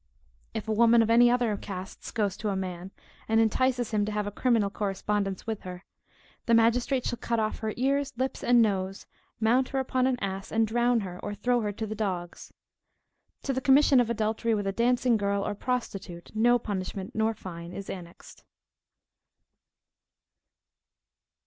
If a woman of any of the other casts goes to a man, and entices him to have criminal correspondence with her, the magistrate shall cut off her ears, lips and nose, mount her upon an ass, and drown her, or throw her to the dogs. To the commission of adultery with a dancing girl, or prostitute, no punishment nor fine is annexed.